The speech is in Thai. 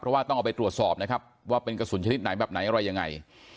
เพราะว่าต้องเอาไปตรวจสอบนะครับว่าเป็นกระสุนชนิดไหนแบบไหนอะไรยังไง